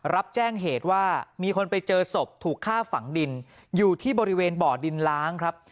รับแจ้งเหตุว่ามีคนไปเจอศพถูกฆ่าฝังดินอยู่ที่บริเวณบ่อดินล้างครับ